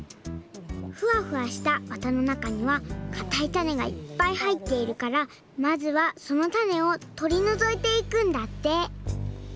ふわふわしたわたのなかにはかたいたねがいっぱいはいっているからまずはそのたねをとりのぞいていくんだって